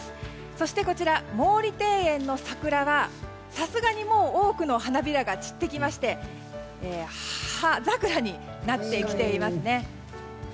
そしてこちら、毛利庭園の桜はさすがにもう多くの花びらが散ってきまして葉桜になってきていますね。